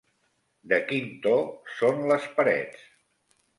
De quin to són les parets?